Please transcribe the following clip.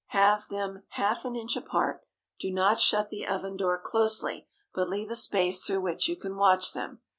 Have them half an inch apart. Do not shut the oven door closely, but leave a space through which you can watch them.